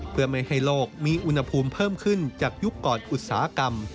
เพื่อไม่ให้โลกมีอุณหภูมิเพิ่มขึ้นจากยุคก่อนอุตสาหกรรม